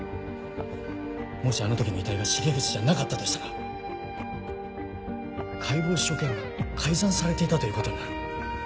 もしあの時の遺体が重藤じゃなかったとしたら解剖所見が改ざんされていたということになる。